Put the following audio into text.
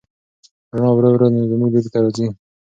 رڼا ورو ورو زموږ لوري ته راځي.